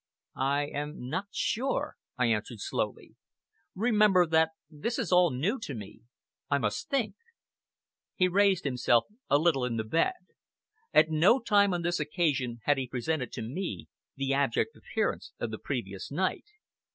"I am not sure," I answered slowly. "Remember that this is all new to me. I must think!" He raised himself a little in the bed. At no time on this occasion had he presented to me the abject appearance of the previous night.